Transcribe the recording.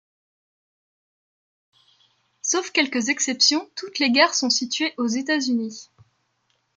Sauf quelques exceptions, toutes les gares sont situées aux États-Unis.